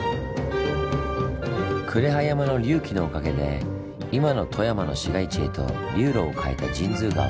呉羽山の隆起のおかげで今の富山の市街地へと流路を変えた神通川。